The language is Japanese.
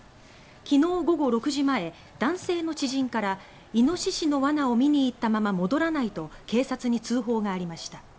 昨日午後６時前、男性の知人からイノシシの罠を見に行ったまま戻らないと警察に通報がありました。